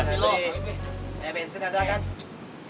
eh bensin ada kan